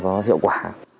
có hiệu quả